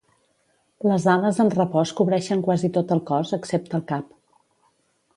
Les ales en repòs cobreixen quasi tot el cos excepte el cap.